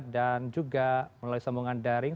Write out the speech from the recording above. dan juga melalui sambungan daring